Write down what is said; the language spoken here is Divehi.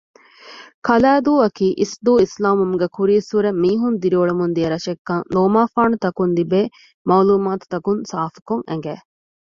ކަލައިދޫއަކީ އިސްދޫ އިސްލާމްވުމުގެ ކުރީއްސުރެ މީހުން ދިރިއުޅެމުންދިޔަ ރަށެއްކަން ލޯމާފާނުތަކުން ލިބޭ މަޢުލޫމާތުތަކުން ސާފުކޮށް އެނގެ